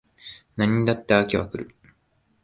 何にだって飽きは来る